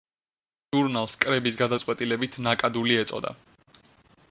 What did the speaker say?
ჟურნალს კრების გადაწყვეტილებით „ნაკადული“ ეწოდა.